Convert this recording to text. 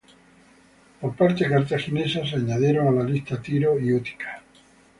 Por parte cartaginesa, se añadieron a la lista Tiro y Útica.